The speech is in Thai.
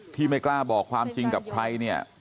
ที่ไม่กล้าบอกความจริงกับใครเนี่ย